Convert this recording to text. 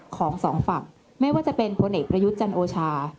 สองฝั่งไม่ว่าจะเป็นพลเอกประยุทธ์จันโอชา